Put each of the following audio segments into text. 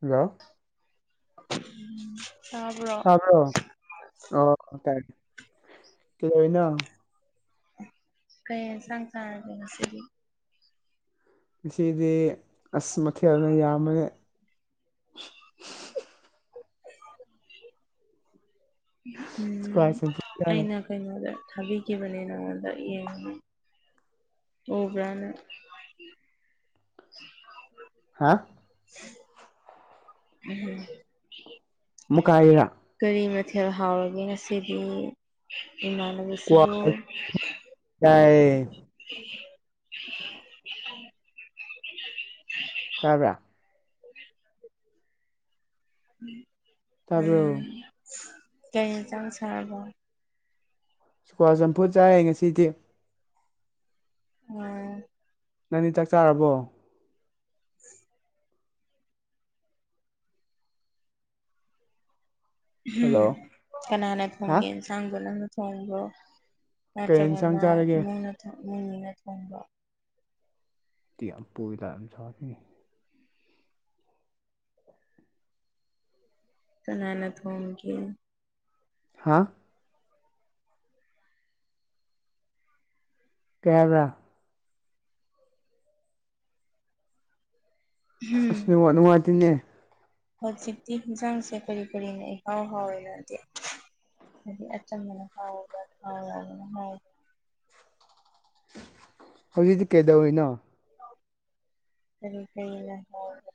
hello ꯎꯝ ꯇꯕ꯭ꯔꯣ ꯇꯕ꯭ꯔꯣ ꯑꯣ ꯇꯥꯏ ꯀꯩꯗꯧꯏꯅꯣ ꯀꯩ ꯌꯦꯟꯁꯥꯡ ꯆꯥꯔꯒꯦ ꯉꯁꯤꯗꯤ ꯉꯗꯤ ꯑꯁ ꯃꯊꯦꯜꯅ ꯌꯥꯝꯕꯅꯤ ꯎꯝ ꯏꯁꯀ꯭ꯋꯥꯁ ꯆꯝꯐꯨꯠ ꯆꯥꯏ ꯑꯩꯅ ꯀꯩꯅꯣꯗ ꯊꯥꯕꯤꯈꯤꯕꯅꯦ ꯅꯪꯉꯣꯟꯗ ꯌꯦꯡꯉ ꯍꯕ꯭ꯔꯅꯦ ꯍꯥ ꯎꯝ ꯃꯨꯀꯥꯏꯔ ꯀꯔꯤ ꯃꯊꯦꯜ ꯍꯥꯎꯔꯒꯦ ꯉꯁꯤꯗꯤ ꯏꯃꯥꯟꯅꯕꯁꯤꯕꯨ ꯌꯥꯑꯌꯦ [inaudible] ꯇꯥꯕꯦ ꯇꯥꯕ꯭ꯔꯣ ꯎꯝ ꯀꯩ ꯏꯟꯁꯥꯡ ꯆꯥꯔꯕ ꯆꯨꯀ꯭ꯋꯥ ꯆꯝꯐꯨꯠ ꯆꯥꯏꯔꯦ ꯉꯁꯤꯗꯤ ꯑꯣ ꯅꯪꯗꯤ ꯆꯥꯛ ꯆꯥꯔꯕꯣ [inaudible] ꯍꯜꯂꯣ ꯎꯝ ꯀꯅꯥꯅ ꯍꯥ ꯊꯣꯡꯒꯦ ꯏꯟꯁꯥꯡꯗ‌ꯣ ꯅꯪꯅ ꯊꯣꯡꯕ꯭ꯔꯣ ꯀꯩ ꯌꯦꯟꯁꯥꯡ ꯅꯠꯇ꯭ꯔꯒꯅ ꯆꯥꯔꯒꯦ ꯏꯃꯨꯡꯅ ꯊ‌ꯣꯡ ꯏꯃꯨꯡ ꯃꯤꯅ ꯊꯣꯡꯕꯔ‌ꯣ [unintelligible] ꯀꯥꯅꯥꯅ ꯊꯣꯡꯒ‌ꯦ ꯍꯥ ꯀꯩ ꯍꯥꯏꯕ ꯎꯝ ꯑꯁ ꯅ‌ꯦꯠꯋꯥꯛ ꯅꯨꯡꯉꯥꯏꯇ‌ꯦꯅꯦ ꯍꯧꯖꯤꯛꯇꯤ ꯌꯦꯟꯁꯥꯡꯁꯦ ꯀꯔꯤ ꯀꯔꯤꯅ ꯏꯍꯥꯎ ꯍꯥꯎꯋꯦ ꯅꯪꯗꯤ ꯍꯥꯏꯗꯤ ꯑꯆꯝꯕꯅ ꯍꯥꯎꯕꯔ ꯊꯥꯎ ꯉꯧꯕꯅ ꯍꯥꯎꯕꯔ ꯍꯧꯖꯤꯛꯇꯤ ꯀꯩꯗꯧꯔꯤꯅꯣ ꯀꯔꯤ ꯀꯔꯤꯅ ꯍꯥꯏꯔꯤꯒ‌ꯦ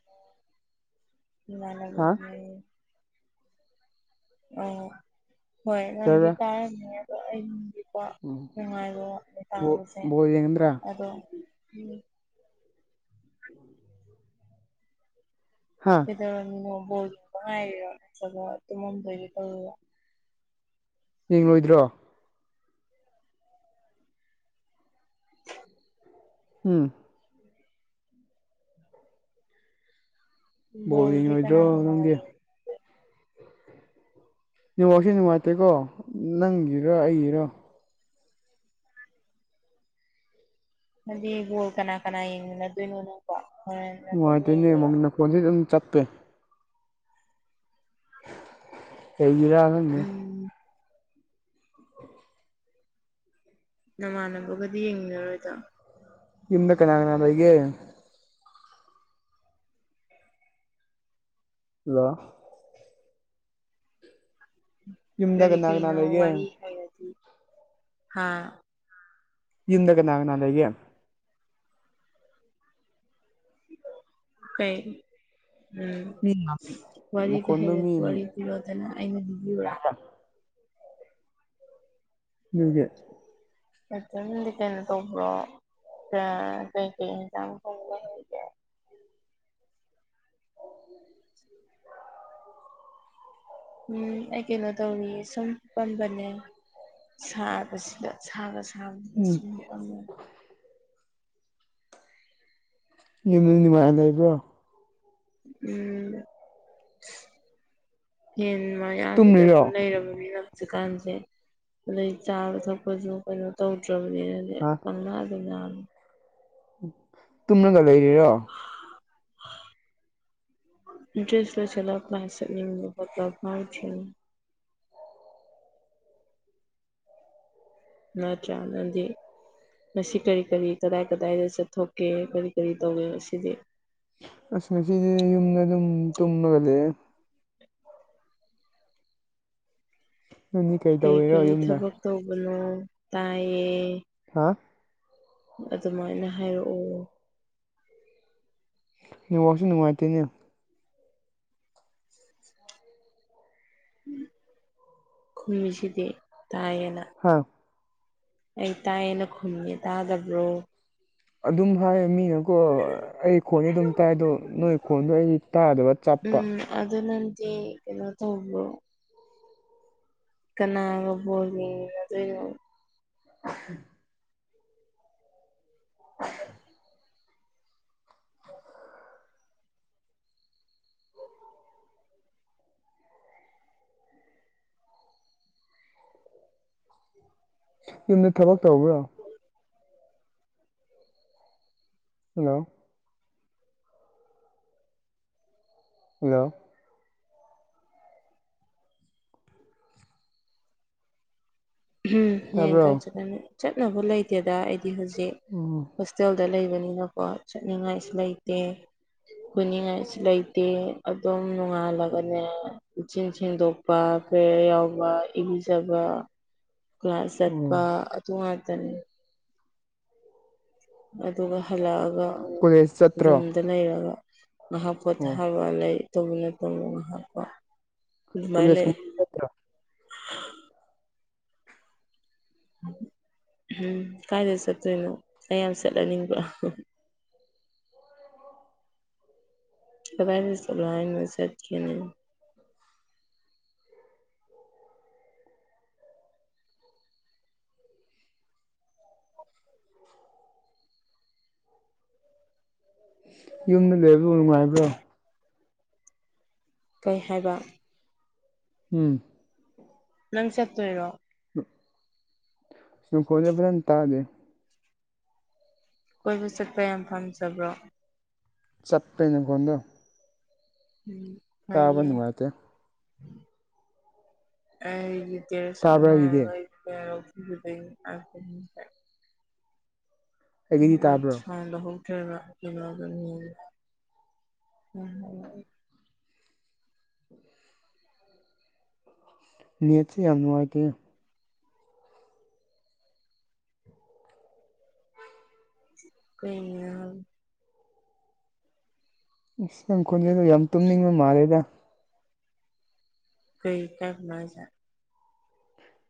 ꯍꯥ ꯏꯃꯥꯟꯅꯕꯤꯕꯨ ꯑꯣ ꯍꯣꯏ ꯀꯩ ꯅꯪꯗꯤ ꯍꯥꯏꯕ꯭ꯔꯥ ꯇꯥꯏꯔꯝꯅ‌ꯦꯕ ꯑꯩꯗꯤ ꯀꯣ ꯎꯝ ꯅꯨꯡꯉꯥꯏꯕꯔ‌ꯣ ꯕꯣꯜ ꯇꯥꯥꯕꯁꯦ ꯕꯣꯜ ꯌꯦꯡꯒꯗ꯭ꯔꯥ ꯑꯗꯣ ꯍꯥ [unintelligible] ꯌꯦꯡꯉꯣꯏꯗ꯭ꯔꯣ ꯎꯝ [inaudible] ꯕꯣꯜ ꯕꯣꯜꯗꯤ ꯀꯅꯥ ꯌꯦꯡꯉꯣꯏꯗ꯭ꯔꯣ ꯀꯅꯥ ꯅꯪꯒꯤ ꯌꯦꯡ ꯅ‌ꯦꯠꯋꯥꯛꯁꯤ ꯅꯨꯡꯉꯥꯏꯇꯦꯀꯣ ꯅꯪꯒꯤꯔ ꯑꯩꯒꯤꯔ ꯍꯥꯏꯗꯤ ꯕꯣꯜ ꯀꯅꯥ ꯀꯅꯥ ꯌꯦꯡꯃꯤꯟꯅꯗꯣꯏꯅꯣ ꯅꯪꯒ ꯍ‌ꯣꯔ‌ꯦꯟ ꯅꯇ‌ꯣꯝ ꯌꯦꯡꯗꯣꯏꯔꯣ ꯐ‌ꯣꯟꯁꯤ ꯑꯗꯨꯝ ꯆꯞꯄꯦ ꯀꯩꯒꯤꯔ ꯎꯝ ꯅꯃꯥꯟꯅꯕꯒꯗꯤ ꯌꯦꯡꯃꯤꯟꯅꯔꯣꯏꯗꯣ ꯌꯨꯝꯗ ꯀꯅꯥ ꯀꯅꯥ ꯂꯩꯒ‌ꯦ ꯍꯜꯂꯣ ꯌꯨꯝꯗ ꯀꯔꯤ ꯀꯅꯥ ꯀꯅꯥ ꯀꯔꯤꯅꯣ ꯂꯩꯒꯦ ꯋꯥꯔꯤ ꯍꯥꯏꯔꯗꯤ ꯍꯥ ꯌꯨꯝꯗ ꯀꯅꯥ ꯀꯅꯥ ꯂꯩꯒꯦ ꯀꯩ ꯎꯝ ꯃꯤ ꯋꯥꯔꯤꯁ‌ꯦ ꯃꯈꯣꯟꯗꯣ ꯍꯩꯔꯗꯤ ꯃꯤ ꯋꯥꯔꯤ ꯂꯤꯔꯣꯗꯅ ꯑꯩꯅ ꯂꯤꯕꯤꯌꯨꯔ‌ꯣ ꯅ‌ꯣꯏꯒꯤ ꯑꯗꯨꯝꯗꯤ ꯀꯩꯅꯣ ꯇꯧꯕ꯭ꯔꯣ ꯀꯩꯀꯩ ꯑꯦꯟꯖꯥꯡ ꯊꯣꯡꯕ ꯍꯩꯒꯦ [unintelligible] ꯎꯝ ꯑꯩ ꯀꯩꯅꯣ ꯇꯧꯔꯤꯌꯦ ꯁꯨꯝ ꯐꯝꯕꯅꯦ ꯁꯥꯕꯁꯤꯗ ꯁꯥꯒ ꯁꯥꯕꯁꯤꯗ ꯎꯝ ꯁꯨꯝ ꯐꯝꯕꯅ‌ꯦ ꯌꯨꯝ ꯅꯪ ꯅꯨꯡꯉꯥꯏꯅ ꯂꯩꯕ꯭ꯔꯣ ꯎꯝ ꯌ‌ꯦꯟ ꯃꯌꯥꯗꯨꯗ ꯑꯗꯨꯝ ꯇꯨꯝꯃꯤꯔꯣ ꯂꯩꯔꯕꯅꯤꯅ ꯍꯧꯖꯤꯛꯀꯥꯟꯁꯦ ꯑꯗꯩ ꯆꯥꯕ ꯊꯛꯄꯁꯨ ꯀꯩꯅꯣ ꯇꯧꯗ꯭ꯔꯕꯅꯤꯅ‌ꯦ ꯍꯥ ꯄꯪꯅꯗ ꯅꯔ‌ꯦ ꯎꯝ ꯇꯨꯝꯔꯒ ꯂꯩꯔꯤꯔꯣ ꯏꯇꯔꯦꯁ ꯂ‌ꯣꯏꯁꯤꯟꯂ ꯀꯂꯥꯁ ꯆꯠꯅꯤꯡ [unintelligible] ꯅꯠꯇꯔ ꯅꯪꯗꯤ ꯃꯁꯤ ꯀꯔꯤ ꯀꯔꯤ ꯀꯗꯥꯏ ꯀꯗꯥꯏꯗ ꯆꯠꯊꯣꯛꯀꯦ ꯀꯔꯤ ꯀꯔꯤ ꯇꯧꯏꯦ ꯃꯁꯤꯗꯤ ꯑꯁ ꯉꯁꯤꯁꯦ ꯌꯨꯝꯗ ꯑꯗꯨꯝ ꯇꯨꯝꯃꯒ ꯂꯩꯦ ꯅꯪꯗꯤ ꯀꯩ ꯀꯔꯤ ꯇꯧꯔꯤꯔꯣ ꯀꯔꯤ ꯌꯨꯝꯗ ꯊꯕꯛ ꯇꯧꯕꯅꯣ ꯇꯥꯏꯌꯦ ꯍꯥꯥ ꯑꯗꯨꯃꯥꯏꯅ ꯍꯥꯏꯔꯛꯑꯣ ꯅꯤꯡ ꯋꯥꯁꯨ ꯅꯨꯡꯉꯥꯏꯇꯅꯦ ꯈꯨꯝꯃꯤꯁꯤꯗꯤ ꯇꯥꯏꯌꯦꯅ ꯍꯥꯥ ꯑꯩ ꯇꯥꯏꯌꯦꯅ ꯈꯨꯟꯒꯦ ꯇꯥꯗꯕ꯭ꯔꯣ ꯑꯗꯨꯝ ꯍꯥꯏꯌꯦ ꯃꯤꯅ ꯀ ꯑꯩ ꯈꯣꯟꯗꯤ ꯑꯗꯨꯝ ꯇꯥꯏ ꯑꯗꯣ ꯅꯣꯏ ꯈꯣꯟꯗꯣ ꯑꯩꯗꯤ ꯇꯥꯗꯕ ꯆꯞꯄ ꯎꯝ ꯑꯗꯨ ꯅꯗꯤ ꯀꯩꯅꯣ ꯇꯧꯕꯣ ꯀꯅꯥꯒꯕꯣꯒꯤ ꯑꯗꯨ [unintelligible] [unintelligible] ꯌꯨꯝꯗ ꯊꯕꯛ ꯇꯧꯕ꯭ꯔꯣ ꯍꯜꯂꯣ ꯍꯜꯂꯣ ꯎꯝ ꯍꯌꯦꯡ ꯇꯥꯕ꯭ꯔꯣ ꯀꯥꯏ ꯆꯠꯀꯅꯤ ꯆꯠꯅꯕ ꯂꯩꯇꯦꯗ ꯑꯩꯗꯤ ꯍꯧꯖꯤꯛ ꯎꯝ ꯍꯣꯁꯇꯦꯜꯗ ꯂꯩꯕꯅꯤꯅꯀꯣ ꯆꯠꯅꯤꯡꯉꯥꯏꯁꯨ ꯂꯩꯇꯦ ꯀꯅꯤꯡꯉꯥꯏꯁꯨ ꯂꯩꯇꯦ ꯑꯗꯨꯝ ꯅꯣꯡꯉꯥꯜꯂꯒꯅꯦ ꯦꯡ ꯁꯦꯡꯗꯣꯛꯄ ꯀꯌꯥ ꯌꯥꯎꯕ ꯏꯕꯤꯖꯕ ꯀ꯭ꯂꯥꯁ ꯆꯠꯄ ꯎꯝ ꯑꯗꯨ ꯉꯥꯛꯇꯅꯦ ꯑꯗꯨꯒ ꯍꯜꯂꯛꯑꯒ ꯎꯁ ꯆꯠꯇ꯭ꯔ ꯠꯇ ꯅꯩꯔꯒ ꯉꯥꯏꯍꯥꯛ ꯄꯣꯊꯥꯕ ꯂꯩ ꯇꯧꯕꯅ ꯇꯧꯕ ꯉꯥꯏꯍꯥꯛꯀꯣ ꯑꯗꯨꯃꯥꯏꯅ ꯀꯣꯂꯦꯖ ꯀꯨꯝꯕ ꯆꯠꯇ꯭ꯔꯣ ꯎꯝ ꯀꯥꯏꯗ ꯆꯠꯇꯣꯏꯅꯣ ꯀꯌꯥꯝ ꯁꯦꯠꯂꯅꯤꯡꯕ ꯆꯒꯥꯥꯏꯅ ꯁ ꯂꯟ ꯃꯁꯠꯈꯤꯅ ꯌꯨꯝꯗ ꯂꯩꯕꯗꯨ ꯅꯨꯡꯉꯥꯏꯕ꯭ꯔꯣ ꯀꯩ ꯍꯥꯏꯕ ꯎꯝ ꯅꯪ ꯆꯠꯇꯣꯏꯔꯣ ꯁꯅꯣꯈꯣꯜꯦ ꯐꯖꯅ ꯇꯥꯗꯦ ꯀꯣꯏꯕ ꯆꯠꯄ ꯌꯥꯝ ꯄꯥꯝꯖꯕ꯭ꯔꯣ ꯆꯠꯄꯅ ꯀꯣꯟꯗꯣ ꯎꯝ ꯐꯌꯦ ꯅꯨꯡꯉꯥꯏꯇꯦ ꯑꯩ ꯀꯔ ꯇꯥꯕ꯭ꯔꯥ ꯁꯉ ꯑꯩꯒꯤꯗꯤ ꯂꯩꯗ ꯑꯩꯒꯤꯗꯤ ꯇꯥꯕ꯭ꯔꯣ [unintelligible] [unintelligible] ꯅꯦꯠꯁꯦ ꯌꯥꯝ ꯅꯨꯡꯉꯥꯏꯇꯦ ꯀꯩ ꯏꯁ ꯈꯣꯟꯖꯦꯗꯣ ꯌꯥꯝ ꯇꯨꯝꯅꯤꯡꯕ ꯃꯥꯜꯂꯦꯗ ꯀꯩ ꯀꯥꯏꯗꯅꯣ ꯍꯥꯏꯁꯦ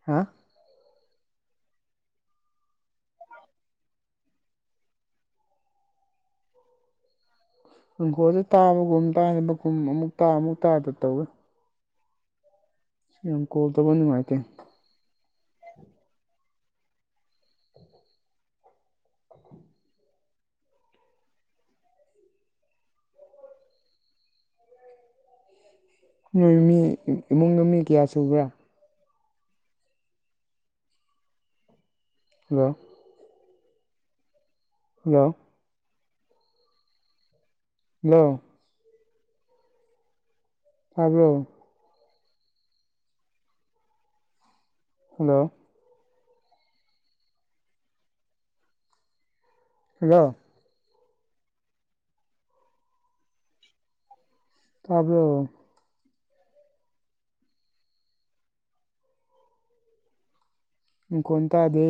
ꯍꯥꯥ [unintelligible] ꯏꯪꯈꯣꯜꯗ ꯇꯥ ꯑꯃꯒꯨꯝ ꯇꯥꯕꯒꯨꯝ ꯑꯃꯨꯛ ꯇꯥ ꯑꯃꯨꯛ ꯇꯥꯕ ꯇꯧꯋꯦ ꯁꯤ ꯌꯥꯝ ꯀꯣꯜ ꯇꯧꯕ ꯅꯨꯡꯉꯥꯏꯇꯦ ꯅꯣꯏ ꯃꯤ ꯏꯃꯨꯡꯗ ꯃꯤ ꯀꯌꯥ ꯁꯨꯕ꯭ꯔꯥ ꯍꯦꯜꯂꯣ [unintelligible] ꯍꯦꯜꯂꯣ ꯇꯥꯕ꯭ꯔꯣ ꯍꯜꯂꯣ [inaudible] ꯍꯜꯂꯣ ꯇꯥꯕꯔꯣ ꯏꯀꯣꯟ ꯇꯗꯦ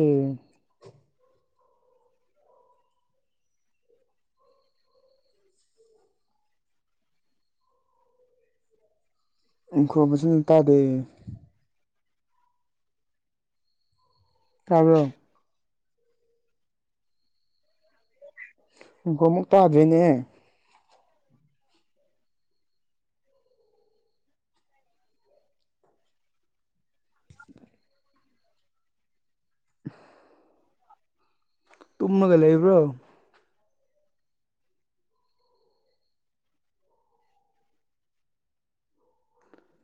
ꯎꯪꯈꯣꯕꯁꯨ ꯇꯥꯗꯦ ꯇꯥꯕꯔꯣ [unintelligible] ꯏꯀꯣ ꯑꯃꯨꯛ ꯇꯥꯗ꯭ꯣꯏꯅꯦ [unintelligible] ꯇꯨꯝꯃꯒ ꯂꯩꯕ꯭ꯔꯣ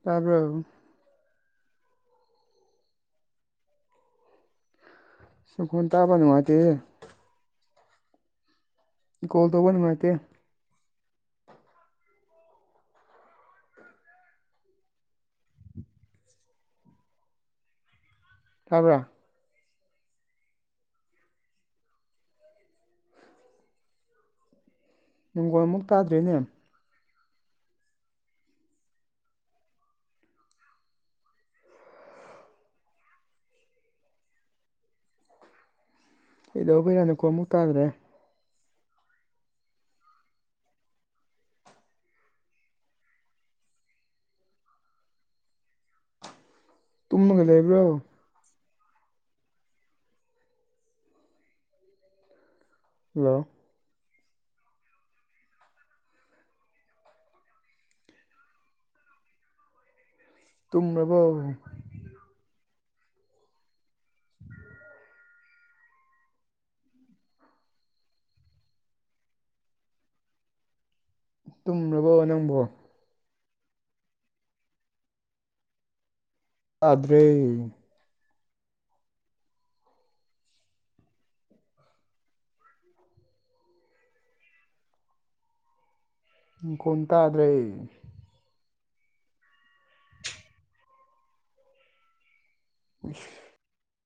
ꯇꯥꯔꯕꯣ ꯅꯈꯣꯟ ꯇꯥꯕ ꯅꯨꯡꯉꯥꯏꯇꯦ ꯀꯣꯜ ꯇꯧꯕ ꯅꯨꯡꯉꯥꯏꯇꯦ ꯇꯕ꯭ꯔꯥ ꯅꯪꯒꯣꯜꯃꯨꯛ ꯇꯥꯗ꯭ꯔꯤꯅꯦ ꯀꯩꯗꯧꯕꯩꯅꯨ ꯅꯈꯣꯜ ꯑꯃꯨꯛ ꯇꯥꯗ꯭ꯔꯦ ꯇꯨꯝꯃꯒ ꯂꯩꯕ꯭ꯔꯣ [unintelligible] ꯍꯜꯂꯣ ꯇꯨꯝꯂꯕꯥꯎ [inaudible] ꯇꯨꯝꯔꯕꯣ ꯅꯪꯕꯣ ꯇꯥꯗ꯭ꯔꯦ ꯏꯪ ꯀꯣꯟ ꯇꯥꯗ꯭ꯔꯦ ꯏꯁ